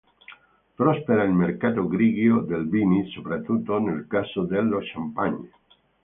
Prospera il mercato grigio dei vini, soprattutto nel caso dello champagne.